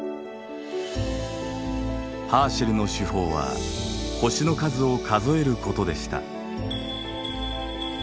ハーシェルの手法は星の数を数えることでした。